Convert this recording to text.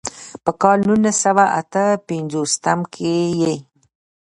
پۀ کال نولس سوه اتۀ پنځوستم کښې ئې